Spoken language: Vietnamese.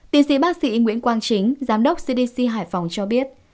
tiến sĩ bác sĩ nguyễn quang chính giám đốc cdc hải phòng cho biết